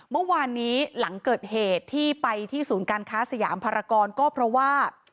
เมื่อวานนี้หลังเกิดเหตุที่ไปที่ศูนย์การค้าสยามภารกรก็เพราะว่า